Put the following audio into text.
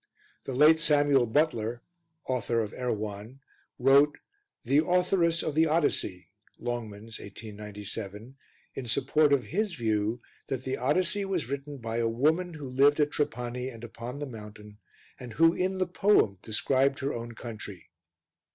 The late Samuel Butler (author of Erewhon) wrote The Authoress of the Odyssey (Longmans, 1897) in support of his view that the Odyssey was written by a woman who lived at Trapani and upon the mountain, and who in the poem described her own country.